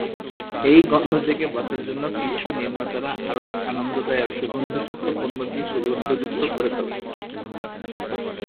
এই গন্ধ থেকে বাঁচার জন্য কিছু নির্মাতারা আরও আনন্দদায়ক সুগন্ধযুক্ত পণ্য দিয়ে সুগন্ধযুক্ত করে তোলে।